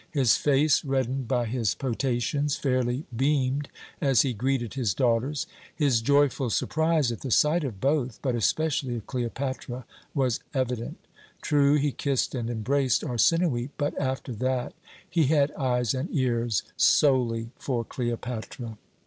His face, reddened by his potations, fairly beamed as he greeted his daughters. His joyful surprise at the sight of both, but especially of Cleopatra, was evident. True, he kissed and embraced Arsinoë, but after that he had eyes and ears solely for Cleopatra.